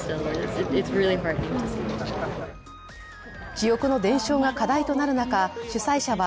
記憶の伝承が課題となる中主催者は